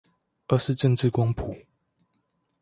而是政治光譜